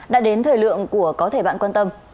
đã đến thời lượng của có thể bạn quan tâm